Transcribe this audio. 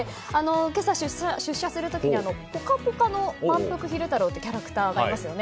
今朝出社する時に「ぽかぽか」のまんぷく昼太郎というキャラクターがいますよね。